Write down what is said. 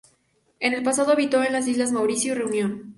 En el pasado habitó en las islas Mauricio y Reunión.